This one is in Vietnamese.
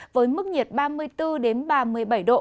với mức nhiệt ba mươi bốn ba mươi bảy độ